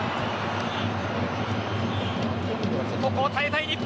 ここを耐えたい日本。